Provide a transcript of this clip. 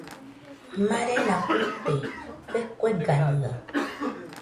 Marena fuite kue kueganɨaɨ